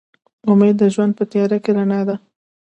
امید د ژوند په تیاره کې رڼا ده.